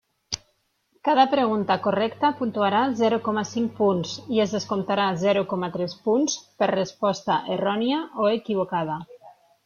Cada pregunta correcta puntuarà zero coma cinc punts i es descomptarà zero coma tres punts per resposta errònia o equivocada.